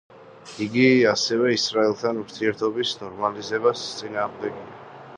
იგი ასევე ისრაელთან ურთიერთობის ნორმალიზებას წინააღმდეგია.